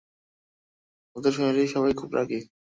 ওদের ফ্যামিলির সবাই খুব রাগী।